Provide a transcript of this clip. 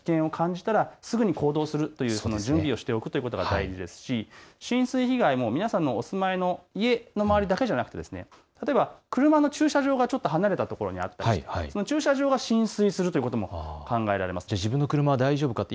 今夜遅くお休みになるときには危険をちょっとでも感じたらすぐに行動するという準備をしておくことが大事ですし、浸水被害も皆さんのお住まいの家の周りだけではなくて車の駐車場がちょっと離れたところにあったり駐車場が浸水するということも考えられます。